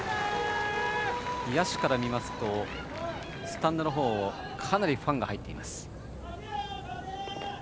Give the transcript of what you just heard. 野手から見ますとスタンドのほうにもかなりファンが入っています。